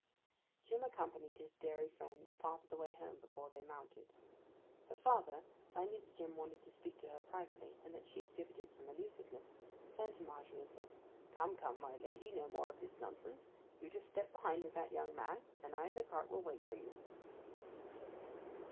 Jim accompanied his dairy friends part of the way home before they mounted. Her father, finding that Jim wanted to speak to her privately, and that she exhibited some elusiveness, turned to Margery and said; 'Come, come, my lady; no more of this nonsense. You just step behind with that young man, and I and the cart will wait for you.